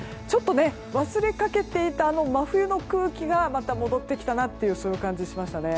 ちょっと忘れかけていたあの真冬の空気がまた戻ってきたなという感じがしました。